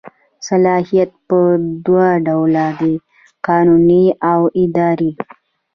صلاحیت په دوه ډوله دی قانوني او اداري.